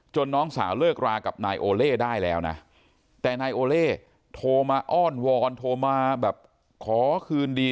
น้องสาวเลิกรากับนายโอเล่ได้แล้วนะแต่นายโอเล่โทรมาอ้อนวอนโทรมาแบบขอคืนดี